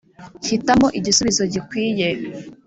hitamo igisubizo gikwiye